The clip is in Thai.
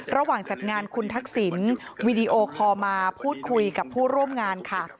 จัดงานคุณทักษิณวีดีโอคอลมาพูดคุยกับผู้ร่วมงานค่ะ